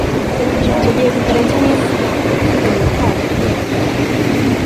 Mu gihe kitarenze iminsi cumi n itanu uhereye